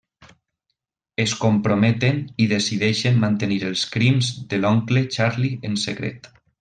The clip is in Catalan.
Es comprometen, i decideixen mantenir els crims de l'oncle Charlie en secret.